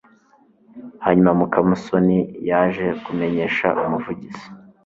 hanyuma mukamusoni yaje kumenyesha umuvugizi